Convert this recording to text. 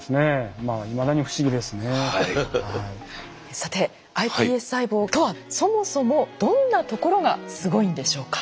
さてｉＰＳ細胞とはそもそもどんなところがすごいんでしょうか？